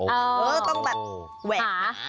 เออต้องแบบแหวะหมา